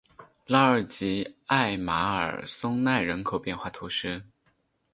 拉尔吉艾马尔松奈人口变化图示